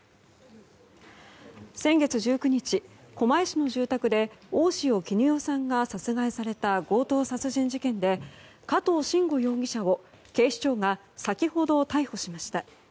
先月１９日、狛江市の住宅で大塩衣與さんが殺害された強盗殺人事件で加藤臣吾容疑者を警視庁が先ほど逮捕しました。